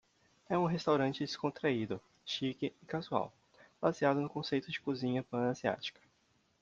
É um restaurante descontraído, chique e casual baseado num conceito de cozinha Pan-Asiática.